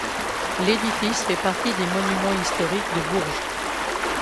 L'édifice fait partie des monuments historiques de Bourges.